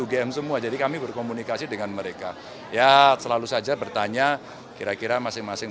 ugm semua jadi kami berkomunikasi dengan mereka ya selalu saja bertanya kira kira masing masing